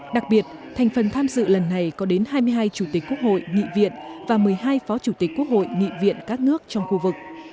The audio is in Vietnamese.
đặc biệt thành phần tham dự lần này có đến hai mươi hai chủ tịch quốc hội nghị viện và một mươi hai phó chủ tịch quốc hội nghị viện các nước trong khu vực